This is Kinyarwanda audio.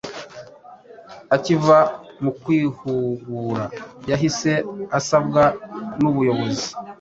akiva mu kwihugura yahise asabwa n’ubuyobozi